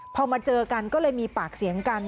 พอมาเจอกันก็เลยมีปากเสียงกัน